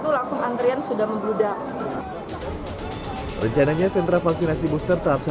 langsung antrian sudah membludak rencananya sentra vaksinasi booster tahap